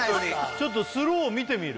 ちょっとスロー見てみる？